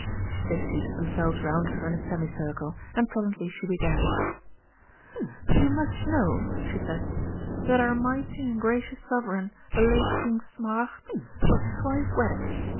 They seated themselves round her in a semicircle, and presently she began: "You must know," she said, "that our mighty and gracious Sovereign, the late King Smaragd, was twice wedded.